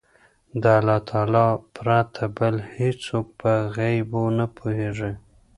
د الله تعالی پرته بل هيڅوک په غيبو نه پوهيږي